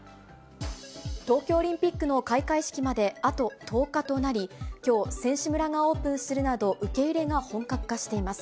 東京オリンピックの開会式まであと１０日となり、きょう、選手村がオープンするなど、受け入れが本格化しています。